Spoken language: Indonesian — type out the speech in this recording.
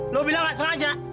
lo bilang enggak sengaja